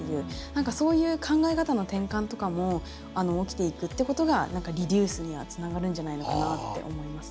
何かそういう考え方の転換とかも起きていくってことが何かリデュースにはつながるんじゃないのかなって思いますね。